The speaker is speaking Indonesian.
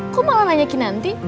kok malah nanya kinanti